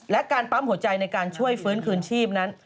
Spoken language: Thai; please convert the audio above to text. และการปั๊มหัวใจในการช่วยฟื้นคืนชีพนั้น